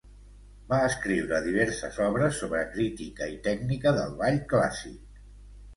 Va escriure diverses obres sobre crítica i tècnica del ball clàssic.